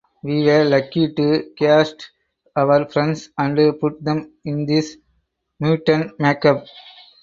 We were lucky to cast our friends and put them in this mutant makeup.